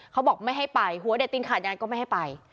เขาบอกไม่ให้ไปหัวเด็ดตินขาดยานก็ไม่ให้ไป